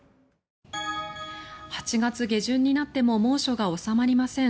８月下旬になっても猛暑が収まりません。